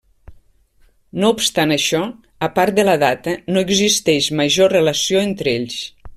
No obstant això, a part de la data, no existeix major relació entre ells.